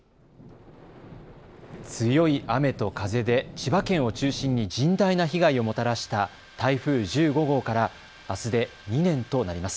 強い雨と風で千葉県を中心に甚大な被害をもたらした台風１５号からあすで２年となります。